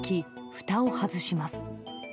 ふたを外します。